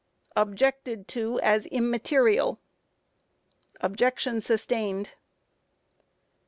Objected to as immaterial. Objection sustained.